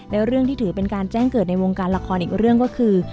และเรื่องที่ถือเป็นการแจ้งเกิดในวงการละครอีกเรื่องก็คือ